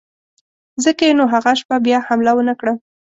ځکه یې نو هغه شپه بیا حمله ونه کړه.